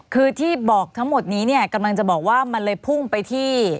คือที่บอกทั้งหมดนี้เนี่ยกำลังจะบอกว่ามันเลยพุ่งไปที่